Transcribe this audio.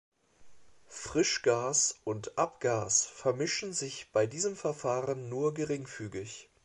Frischgas und Abgas vermischen sich bei diesem Verfahren nur geringfügig.